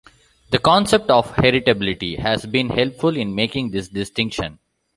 The concept of heritability has been helpful in making this distinction.